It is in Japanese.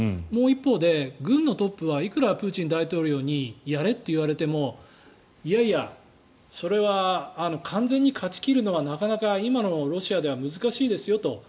一方で、軍のトップはいくらプーチン大統領にやれと言われてもいやいや、それは完全に勝ち切るのはなかなか今のロシアでは難しいですよと。